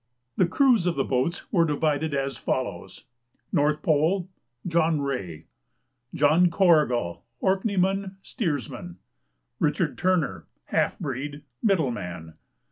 The crews of the boats were divided as follows: NORTH POLE. John Rae. John Corrigal, Orkneyman, Steersman. Richard Turner, half breed, Middleman.